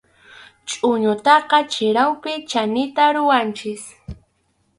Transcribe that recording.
Chʼuñutaqa chirawpi chaninta ruranchik.